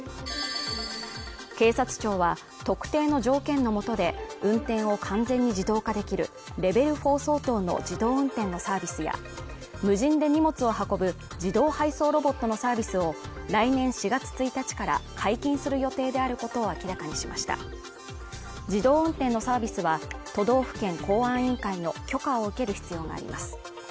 警察庁は特定の条件の下で運転を完全に自動化できるレベル４相当の自動運転のサービスや無人で荷物を運ぶ自動配送ロボットのサービスを来年４月１日から解禁する予定であることを明らかにしました自動運転のサービスは都道府県公安委員会の許可を受ける必要があります